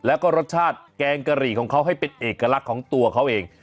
แล้วก็รสชาติแกงกะหรี่ของเขาให้เป็นเอกลักษณ์ของตัวเขาเอง